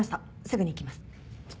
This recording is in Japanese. すぐに行きます。